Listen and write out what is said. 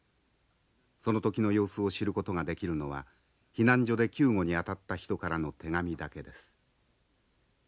その時の様子を知ることができるのは避難所で救護にあたった人からの手紙だけです。